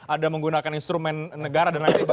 ada menggunakan instrumen negara dan lain sebagainya